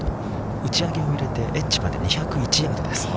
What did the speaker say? ◆打ち上げを入れてエッジまで２０１ヤードです。